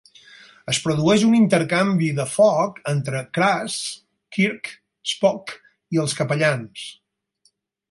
Es produeix un intercanvi de foc entre Kras, Kirk, Spock i els Capellans.